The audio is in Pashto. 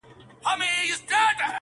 هم ملگری یې قاضي وو هم کوټوال وو-